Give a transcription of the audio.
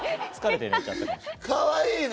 かわいいね。